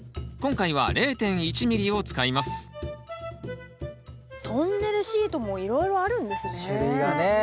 今回は０．１ｍｍを使いますトンネルシートもいろいろあるんですね。